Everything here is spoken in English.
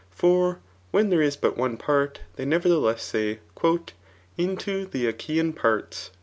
For when there is but one part, they never theless say, ^ into the Achaian parts."